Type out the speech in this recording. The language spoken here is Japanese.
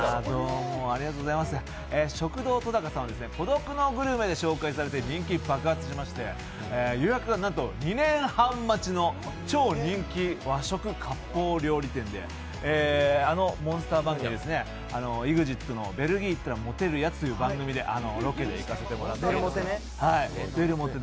食堂とだかさんは「孤独のグルメ」で紹介されて人気が爆発しまして、予約がなんと２年半待ちの超人気和食かっぽう料理店で、あのモンスター番組「ＥＸＩＴのベルギー行ったらモテるやつ！」でロケで行かせてもらって。